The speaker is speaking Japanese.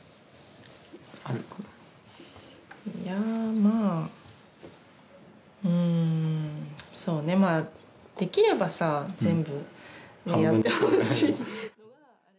まあ、うーん、そうね、まあ、できればさ、全部やってほしい。